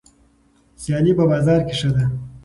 سیالي په بازار کې ښه ده.